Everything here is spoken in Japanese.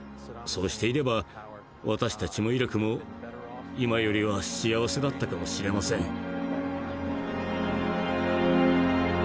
そうしていれば私たちもイラクも今よりは幸せだったかもしれません。